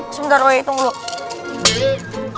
sebentar woy tunggu dulu